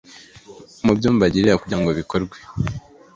mu byo mbagirira kugira ngo bikorwe